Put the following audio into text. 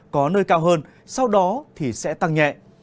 có nơi cao hơn sau đó thì sẽ tăng nhẹ